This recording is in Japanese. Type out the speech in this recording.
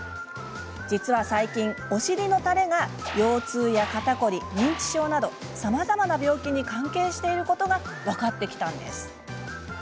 実は最近、お尻のたれが腰痛や肩凝り、認知症などさまざまな病気に関係していることが分かってきたんです。